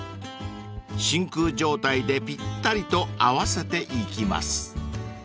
［真空状態でぴったりと合わせていきます］